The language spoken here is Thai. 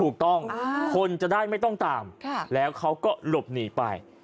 คนจะได้ไม่ต้องตามแล้วเขาก็หลบหนีไป